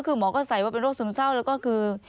คือหมอก็ใส่ว่าเป็นโรคซึมเศร้าแล้วก็คือ